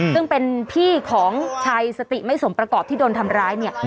ซึ่งเป็นพี่ของชายสติไม่สมประกอบที่โดนทำร้ายเนี่ย